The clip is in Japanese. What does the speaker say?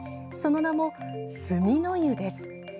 その名も墨の湯です。